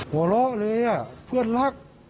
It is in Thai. หัวะเล่าเลยอ่ะเพื่อนรัก